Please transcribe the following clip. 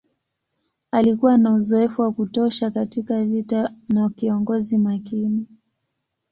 Alikuwa na uzoefu wa kutosha katika vita na kiongozi makini.